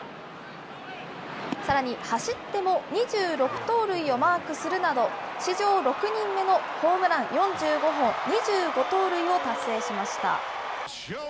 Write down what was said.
さらに、走っても２６盗塁をマークするなど、史上６人目のホームラン４５本、２５盗塁を達成しました。